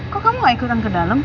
kok kamu gak ikutan ke dalam